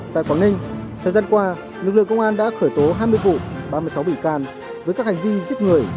hôm qua lực lượng công an đã khởi tố hai mươi vụ ba mươi sáu bị can với các hành vi giết người